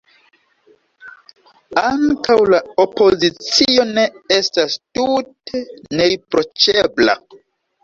Ankaŭ la opozicio ne estas tute neriproĉebla.